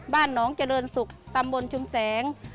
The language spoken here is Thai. บ้านน้องเจริญศุกร์ตำบลชุมแสง